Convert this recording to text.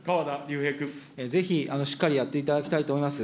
ぜひしっかりやっていただきたいと思います。